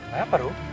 gak apa apa ru